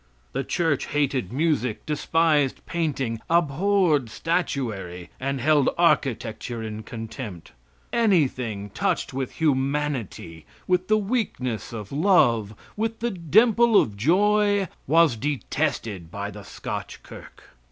The church hated music, despised painting, abhorred statuary, and held architecture in contempt. Anything touched with humanity, with the weakness of love, with the dimple of joy, was detested by the Scotch Kirk.